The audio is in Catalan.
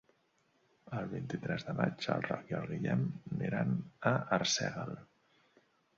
El vint-i-tres de maig en Roc i en Guillem iran a Arsèguel.